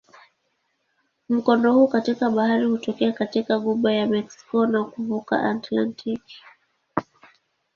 Mkondo huu katika bahari hutokea katika ghuba ya Meksiko na kuvuka Atlantiki.